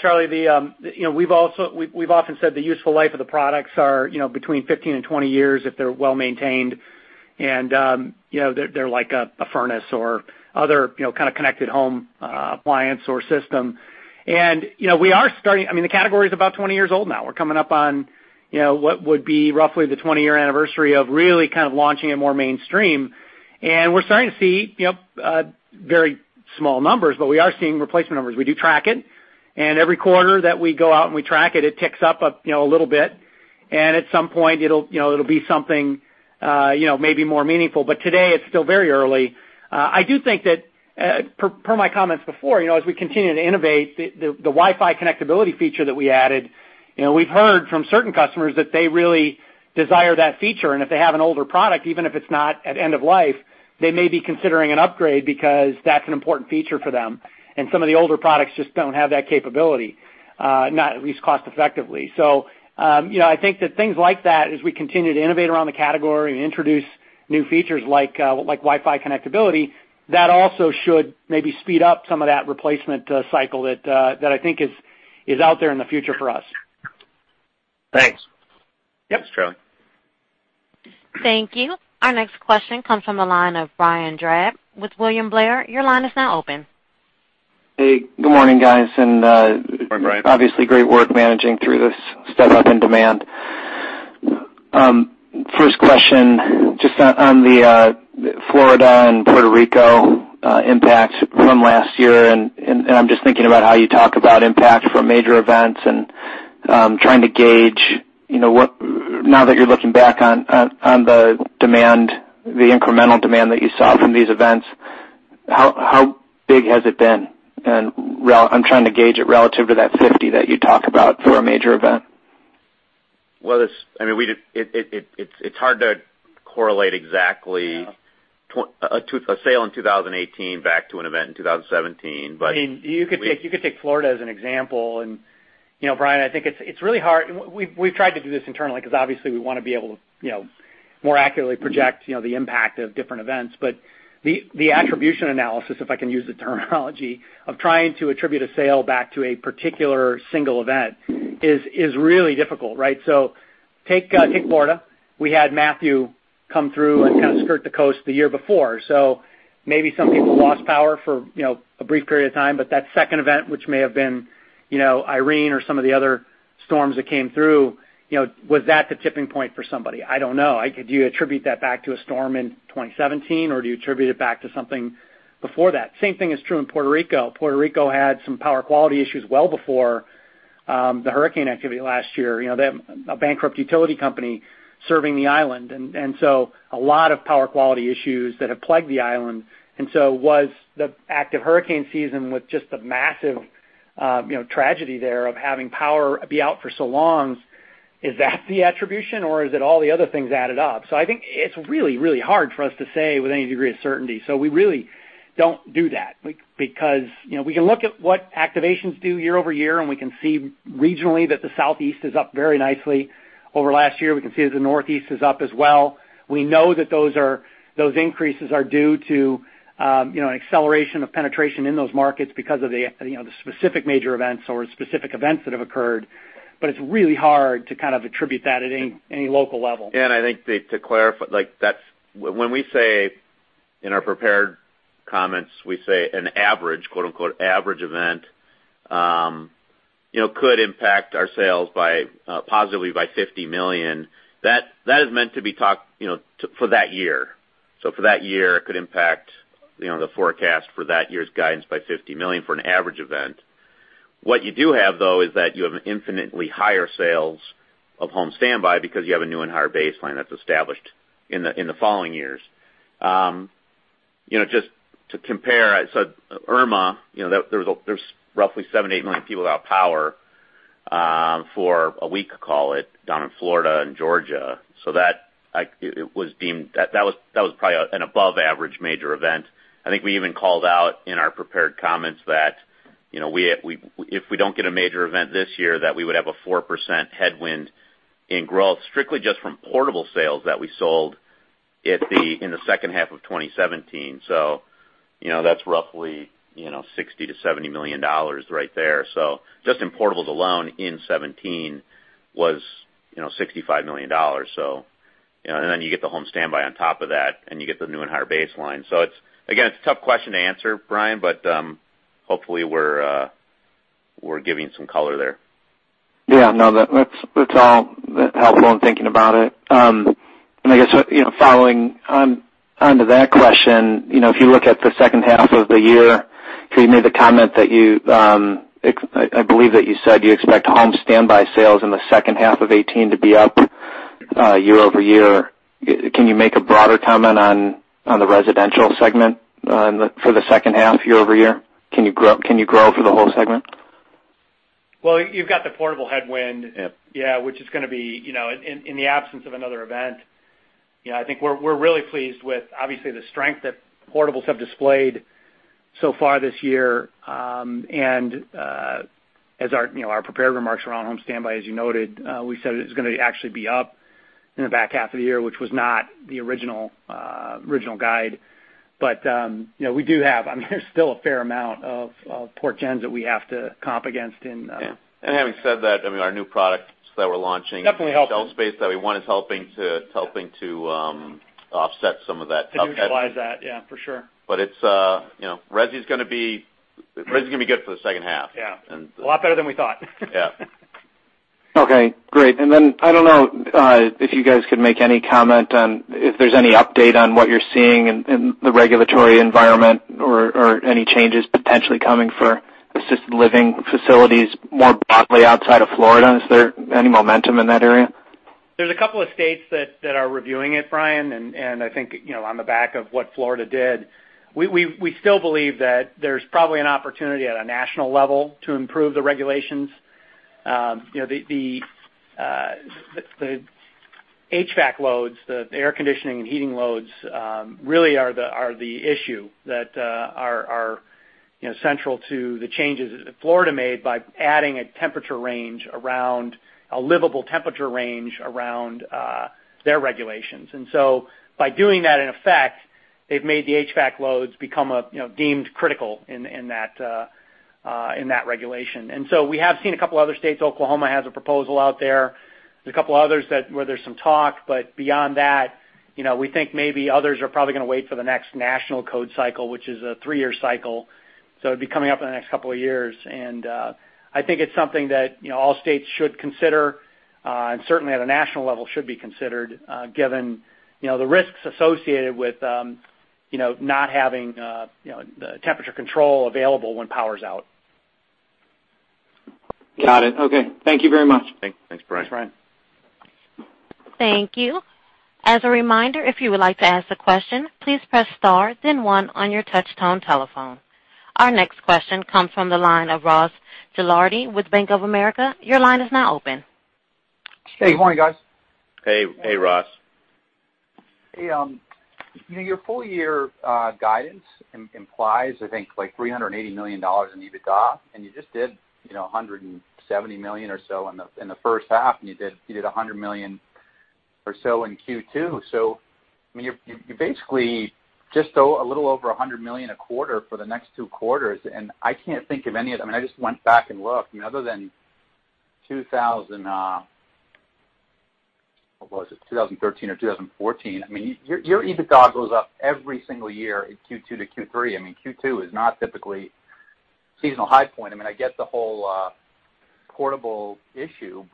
Charley. We've often said the useful life of the products are between 15 and 20 years if they're well-maintained, and they're like a furnace or other kind of connected home appliance or system. We are starting-- the category is about 20 years old now. We're coming up on what would be roughly the 20-year anniversary of really kind of launching it more mainstream. We're starting to see very small numbers, but we are seeing replacement numbers. We do track it, and every quarter that we go out and we track it ticks up a little bit. At some point, it will be something maybe more meaningful. But today it is still very early. I do think that, per my comments before, as we continue to innovate the Wi-Fi connectability feature that we added, we've heard from certain customers that they really desire that feature. If they have an older product, even if it's not at end of life, they may be considering an upgrade because that's an important feature for them. Some of the older products just don't have that capability, not at least cost effectively. I think that things like that, as we continue to innovate around the category and introduce new features like Wi-Fi connectability, that also should maybe speed up some of that replacement cycle that I think is out there in the future for us. Thanks. Thanks Charley. Thank you. Our next question comes from the line of Brian Drab with William Blair. Your line is now open. Hey, good morning, guys. Good morning, Brian. Obviously, great work managing through this step-up in demand. First question, just on the Florida and Puerto Rico impacts from last year, and I'm just thinking about how you talk about impact from major events and trying to gauge now that you're looking back on the demand, the incremental demand that you saw from these events, how big has it been? I'm trying to gauge it relative to that 50 that you talk about for a major event. Well, it's hard to correlate exactly a sale in 2018 back to an event in 2017. You could take Florida as an example. Brian, I think it's really hard. We've tried to do this internally because obviously we want to be able to more accurately project the impact of different events. The attribution analysis, if I can use the terminology, of trying to attribute a sale back to a particular single event is really difficult, right? Take Florida. We had Matthew come through Skirt the coast the year before. Maybe some people lost power for a brief period of time, but that second event, which may have been Irene or some of the other storms that came through, was that the tipping point for somebody? I don't know. Do you attribute that back to a storm in 2017 or do you attribute it back to something before that? Same thing is true in Puerto Rico. Puerto Rico had some power quality issues well before the hurricane activity last year. They have a bankrupt utility company serving the island. A lot of power quality issues that have plagued the island. Was the active hurricane season with just the massive tragedy there of having power be out for so long, is that the attribution or is it all the other things added up? I think it's really, really hard for us to say with any degree of certainty. We really don't do that. We can look at what activations do year-over-year, and we can see regionally that the Southeast is up very nicely over last year. We can see that the Northeast is up as well. We know that those increases are due to an acceleration of penetration in those markets because of the specific major events or specific events that have occurred. It's really hard to attribute that at any local level. I think to clarify, when we say in our prepared comments, we say an average, quote unquote, "average event" could impact our sales positively by $50 million, that is meant to be talked for that year. For that year, it could impact the forecast for that year's guidance by $50 million for an average event. What you do have, though, is that you have an infinitely higher sales of home standby because you have a new and higher baseline that's established in the following years. Just to compare, Irma, there's roughly seven, eight million people without power for a week, call it, down in Florida and Georgia. That was probably an above average major event. I think we even called out in our prepared comments that if we don't get a major event this year, that we would have a 4% headwind in growth strictly just from portable sales that we sold in the H2 of 2017. That's roughly $60 million to $70 million right there. Just in portables alone in 2017 was $65 million. You get the home standby on top of that, and you get the new and higher baseline. Again, it's a tough question to answer, Brian, but hopefully we're giving some color there. Yeah, no, that's all helpful in thinking about it. I guess, following onto that question, if you look at the H2 of the year, you made the comment that I believe that you said you expect home standby sales in the H2 of 2018 to be up year-over-year. Can you make a broader comment on the residential segment for the H2 year-over-year? Can you grow for the whole segment? Well, you've got the portable headwind. Yeah, which is going to be, in the absence of another event, I think we're really pleased with obviously the strength that portables have displayed so far this year. As our prepared remarks around home standby, as you noted, we said it was going to actually be up in the back half of the year, which was not the original guide. We do have, there's still a fair amount of Port Gens that we have to comp against. Yeah. Having said that, our new products that we're launching. Definitely helping. C&I space that we won is helping to offset some of that. To utilize that, yeah, for sure. Resi's going to be good for the H2. Yeah. A lot better than we thought. Yeah. Okay, great. I don't know, if you guys could make any comment on if there's any update on what you're seeing in the regulatory environment or any changes potentially coming for assisted living facilities more broadly outside of Florida. Is there any momentum in that area? There's a couple of states that are reviewing it, Brian, I think, on the back of what Florida did. We still believe that there's probably an opportunity at a national level to improve the regulations. The HVAC loads, the air conditioning and heating loads, really are the issue that are central to the changes that Florida made by adding a livable temperature range around their regulations. By doing that, in effect, they've made the HVAC loads become deemed critical in that regulation. We have seen a couple other states. Oklahoma has a proposal out there. There's a couple others where there's some talk, but beyond that, we think maybe others are probably going to wait for the next national code cycle, which is a three-year cycle. It'd be coming up in the next couple of years. I think it's something that all states should consider, and certainly at a national level should be considered, given the risks associated with not having the temperature control available when power's out. Got it. Okay. Thank you very much. Thanks. Thanks, Brian. Thanks, Brian. Thank you. As a reminder, if you would like to ask a question, please press star then one on your touch tone telephone. Our next question comes from the line of Ross Gilardi with Bank of America. Your line is now open. Hey, good morning, guys. Hey, Ross. Hey. Your full year guidance implies, I think, like $380 million in EBITDA, and you just did $170 million or so in the H1, and you did $100 million or so in Q2. You basically just owe a little over $100 million a quarter for the next two quarters, and I can't think of any of them. I just went back and looked, other than 2000, what was it? 2013 or 2014. Your EBITDA goes up every single year in Q2 to Q3. Q2 is not typically seasonal high point. I get the whole portable issue,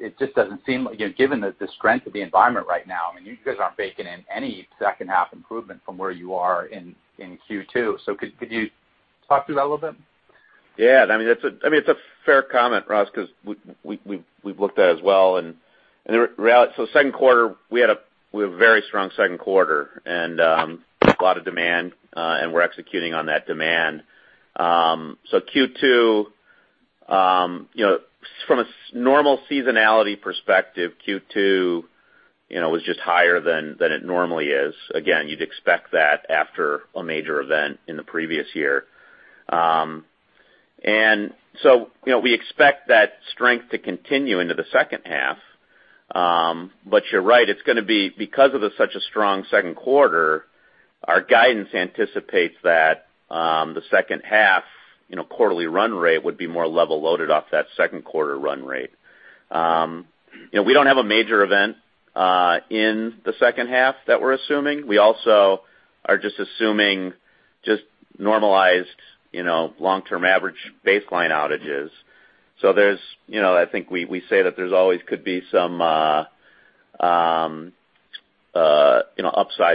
it just doesn't seem, given the strength of the environment right now, you guys aren't baking in any H2 improvement from where you are in Q2. Could you talk through that a little bit? Yeah. It's a fair comment, Ross, because we've looked at it as well. Q2, we had a very strong Q2 and a lot of demand, and we're executing on that demand. Q2, from a normal seasonality perspective, Q2 was just higher than it normally is. Again, you'd expect that after a major event in the previous year. We expect that strength to continue into the H2. You're right, because of such a strong Q2, our guidance anticipates that the H2 quarterly run rate would be more level loaded off that Q2 run rate. We don't have a major event in the H2 that we're assuming. We also are just assuming just normalized long-term average baseline outages. I think we say that there's always could be some upside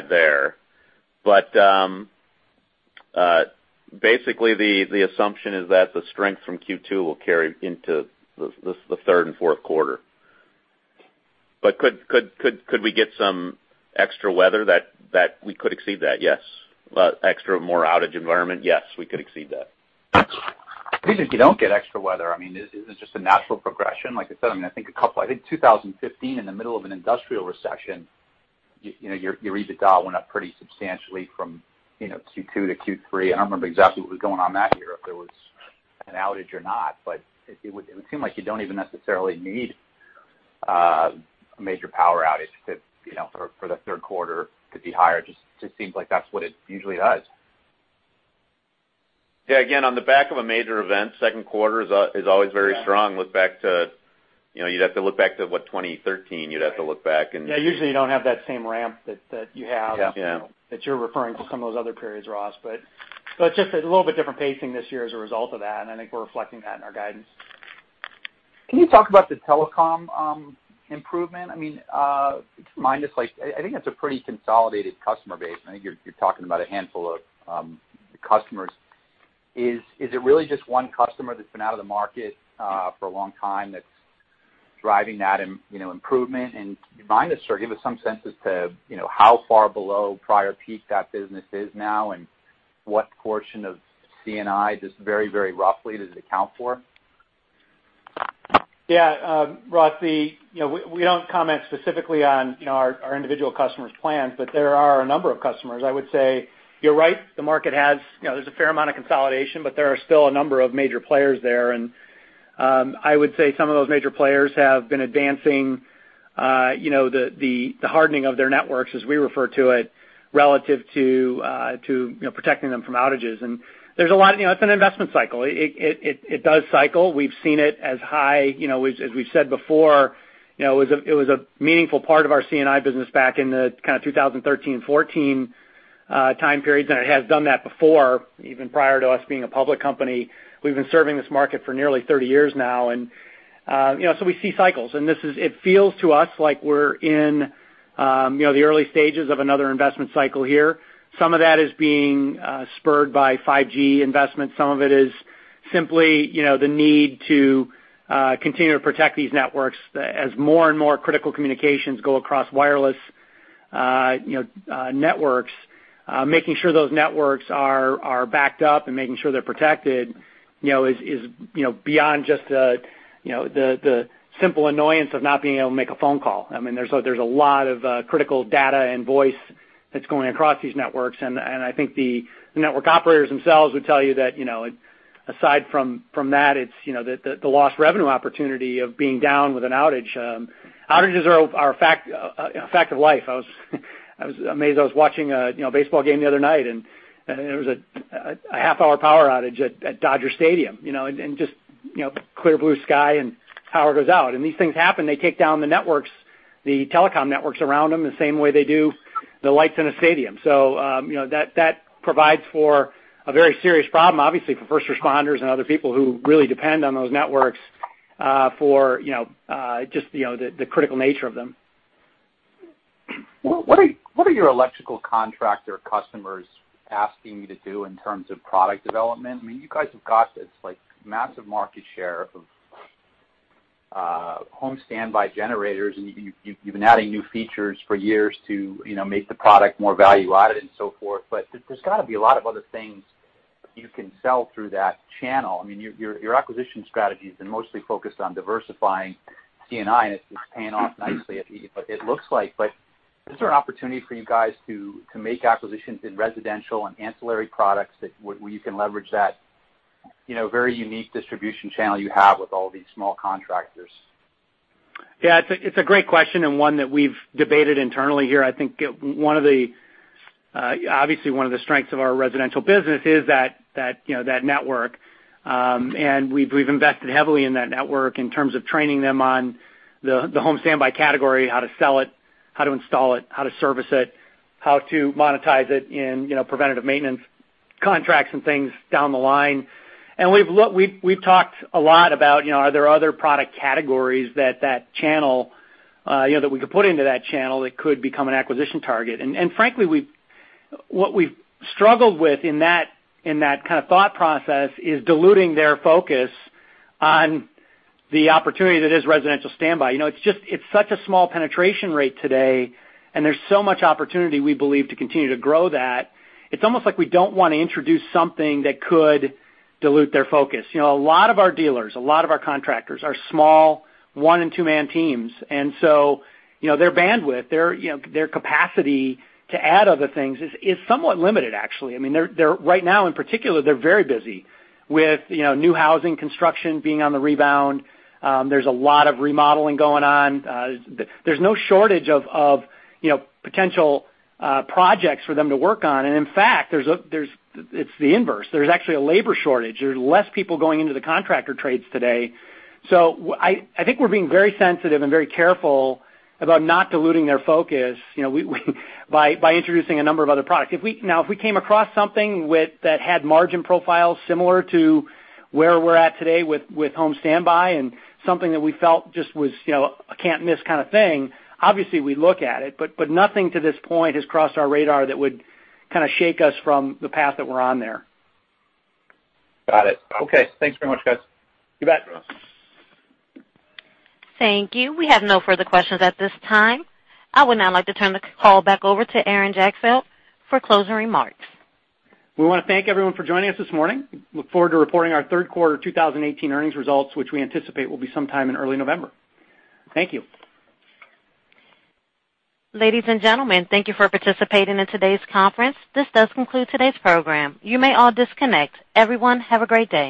there. Basically, the assumption is that the strength from Q2 will carry into Q3 and Q4. Could we get some extra weather that we could exceed that? Yes. Extra, more outage environment? Yes, we could exceed that. Even if you don't get extra weather, isn't it just a natural progression? Like I said, I think 2015, in the middle of an industrial recession, your EBITDA went up pretty substantially from Q2 to Q3. I don't remember exactly what was going on that year, if there was an outage or not, but it would seem like you don't even necessarily need a major power outage for the Q3 to be higher. Just seems like that's what it usually does. Yeah. Again, on the back of a major event, Q2 is always very strong. You'd have to look back to, what, 2013, you'd have to look back. Yeah, usually you don't have that same ramp that you're referring to some of those other periods, Ross. It's just a little bit different pacing this year as a result of that, and I think we're reflecting that in our guidance. Can you talk about the telecom improvement? Just remind us, I think that's a pretty consolidated customer base, and I think you're talking about a handful of customers. Is it really just one customer that's been out of the market for a long time that's driving that improvement? Remind us or give us some sense as to how far below prior peak that business is now, and what portion of C&I, just very roughly, does it account for? Yeah. Ross, we don't comment specifically on our individual customers' plans. There are a number of customers. I would say you're right, there's a fair amount of consolidation, but there are still a number of major players there. I would say some of those major players have been advancing the hardening of their networks, as we refer to it, relative to protecting them from outages. It's an investment cycle. It does cycle. We've seen it as high. As we've said before, it was a meaningful part of our C&I business back in the kind of 2013, 2014 time periods, and it has done that before, even prior to us being a public company. We've been serving this market for nearly 30 years now. We see cycles, and it feels to us like we're in the early stages of another investment cycle here. Some of that is being spurred by 5G investments. Some of it is simply the need to continue to protect these networks. As more and more critical communications go across wireless networks, making sure those networks are backed up and making sure they're protected is beyond just the simple annoyance of not being able to make a phone call. There's a lot of critical data and voice that's going across these networks, and I think the network operators themselves would tell you that aside from that, it's the lost revenue opportunity of being down with an outage. Outages are a fact of life. I was amazed. I was watching a baseball game the other night, and there was a half-hour power outage at Dodger Stadium. Just clear blue sky and power goes out. These things happen. They take down the networks, the telecom networks around them, the same way they do the lights in a stadium. That provides for a very serious problem, obviously, for first responders and other people who really depend on those networks for just the critical nature of them. What are your electrical contractor customers asking you to do in terms of product development? You guys have got this massive market share of home standby generators, and you've been adding new features for years to make the product more value-added and so forth. There's got to be a lot of other things you can sell through that channel. Your acquisition strategy has been mostly focused on diversifying C&I, and it's paying off nicely, it looks like. Is there an opportunity for you guys to make acquisitions in residential and ancillary products where you can leverage that very unique distribution channel you have with all these small contractors? Yeah, it's a great question, and one that we've debated internally here. I think obviously one of the strengths of our residential business is that network. We've invested heavily in that network in terms of training them on the home standby category, how to sell it, how to install it, how to service it, how to monetize it in preventative maintenance contracts and things down the line. We've talked a lot about, are there other product categories that we could put into that channel that could become an acquisition target? Frankly, what we've struggled with in that kind of thought process is diluting their focus on the opportunity that is residential standby. It's such a small penetration rate today, and there's so much opportunity, we believe, to continue to grow that. It's almost like we don't want to introduce something that could dilute their focus. A lot of our dealers, a lot of our contractors are small one- and two-man teams, their bandwidth, their capacity to add other things is somewhat limited, actually. Right now, in particular, they're very busy with new housing construction being on the rebound. There's a lot of remodeling going on. There's no shortage of potential projects for them to work on. In fact, it's the inverse. There's actually a labor shortage. There's less people going into the contractor trades today. I think we're being very sensitive and very careful about not diluting their focus by introducing a number of other products. If we came across something that had margin profiles similar to where we're at today with home standby and something that we felt just was a can't-miss kind of thing, obviously we'd look at it, but nothing to this point has crossed our radar that would kind of shake us from the path that we're on there. Got it. Thanks very much, guys. You bet. Thank you. We have no further questions at this time. I would now like to turn the call back over to Aaron Jagdfeld for closing remarks. We want to thank everyone for joining us this morning. Look forward to reporting our Q3 2018 earnings results, which we anticipate will be sometime in early November. Thank you. Ladies and gentlemen, thank you for participating in today's conference. This does conclude today's program. You may all disconnect. Everyone, have a great day.